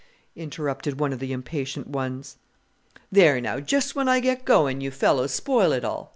interrupted one of the impatient ones. "There now, just when I get going you fellows spoil it all.